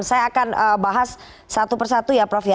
saya akan bahas satu persatu ya prof ya